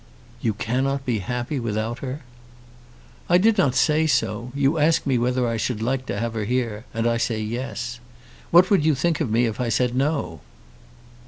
"You cannot be happy without her?" "I did not say so. You ask me whether I should like to have her here, and I say Yes. What would you think of me if I said No?"